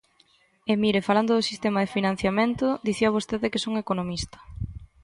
E mire, falando do sistema de financiamento, dicía vostede que son economista.